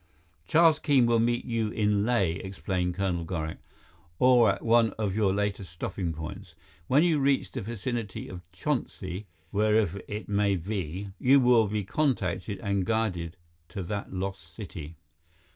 "Charles Keene will meet you in Leh," explained Colonel Gorak, "or at one of your later stopping points. When you reach the vicinity of Chonsi wherever it may be you will be contacted and guided to that lost city."